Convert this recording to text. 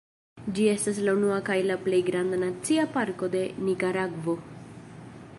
Ĝi estas la unua kaj la plej granda nacia parko de Nikaragvo.